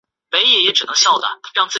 祖父鲍受卿。